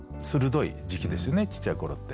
ちっちゃい頃って。